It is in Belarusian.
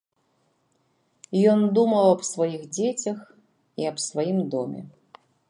Ён думаў аб сваіх дзецях і аб сваім доме.